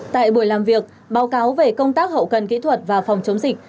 tại buổi làm việc báo cáo về công tác hậu cần kỹ thuật và phòng chống dịch